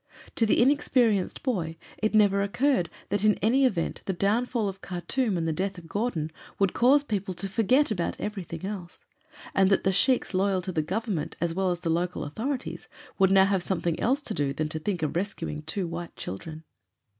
To the inexperienced boy it never occurred that in any event the downfall of Khartûm and the death of Gordon would cause people to forget about everything else, and that the sheiks loyal to the Government as well as the local authorities would now have something else to do than to think of rescuing two white children.